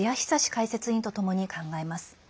解説委員とともに考えます。